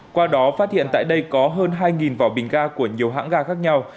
qua đó phát hiện tại đây có hơn hai vỏ bình ga của nhiều hãng ga khác nhau